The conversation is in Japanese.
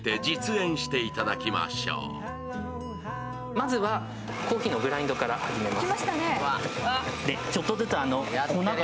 まずはコーヒーのグラインドから始めます。